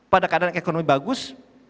pada keadaan ekonomi bagus